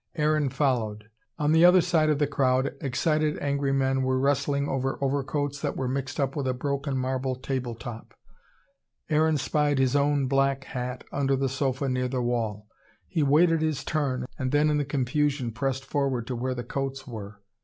Aaron followed. On the other side of the crowd excited angry men were wrestling over overcoats that were mixed up with a broken marble table top. Aaron spied his own black hat under the sofa near the wall. He waited his turn and then in the confusion pressed forward to where the coats were.